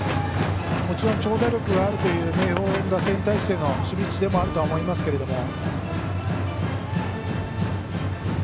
もちろん長打力があるという明豊に対しての守備位置でもあると思いますけれども。